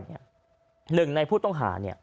หนึ่งในผู้ต้องหา